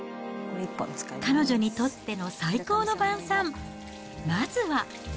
彼女にとっての最高の晩餐、まずは。